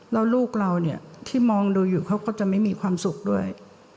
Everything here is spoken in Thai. แล้วลูกเราเนี่ยที่มองดูอยู่เขาก็จะไม่มีความสุขด้วย